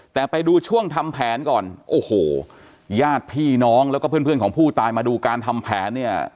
แต่ไปดูช่วงทำแผนก่อนโอ้โหญาติพี่น้องแล้วก็เพื่อนของผู้ตายมาดูการทำแผนเนี่ย